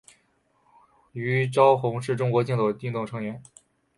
虞朝鸿是中国竞走运动员。